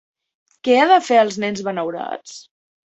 Què ha de fer els nens Benaurats?